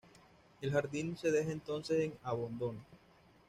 El jardín se deja entonces en abandono.